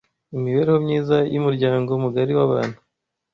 imibereho myiza y’umuryango mugari w’abantu